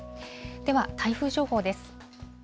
では、台風情報です。